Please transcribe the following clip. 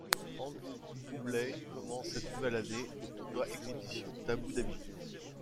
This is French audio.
Andrey Rublev commence cette nouvelle année au tournoi exhibition d'Abu Dhabi.